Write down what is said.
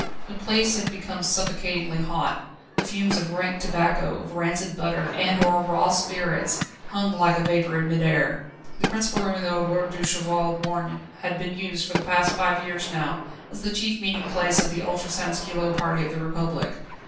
The place had become suffocatingly hot; the fumes of rank tobacco, of rancid butter, and of raw spirits hung like a vapour in mid air. The principal room in the "Auberge du Cheval Borgne" had been used for the past five years now as the chief meeting place of the ultra sansculotte party of the Republic.